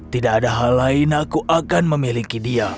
tidak ada hal lain aku akan memiliki dia